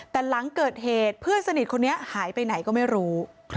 แต่หลังเกิดเหตุเพื่อนสนิทคนนี้หายไปไหนก็ไม่รู้